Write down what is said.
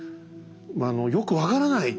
よく分からない。